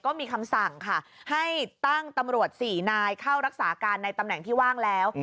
ก็มีคำสั่งค่ะให้ตั้งตำรวจ๔นายเข้ารักษาการในตำแหน่งที่ว่างแล้ว